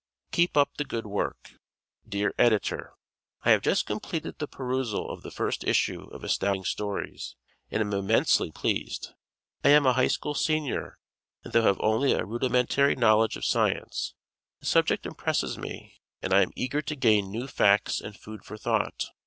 "Keep Up the Good Work" Dear Editor: I have just completed the perusal of the first issue of Astounding Stories and am immensely pleased. I am a high school senior, and though have only a rudimentary knowledge of science, the subject impresses me and I am eager to gain new facts and food for thought.